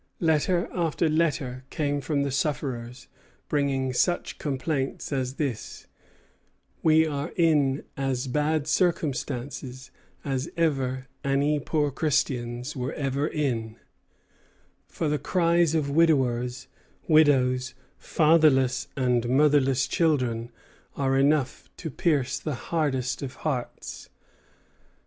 Letter after letter came from the sufferers, bringing such complaints as this: "We are in as bad circumstances as ever any poor Christians were ever in; for the cries of widowers, widows, fatherless and motherless children, are enough to pierce the most hardest of hearts.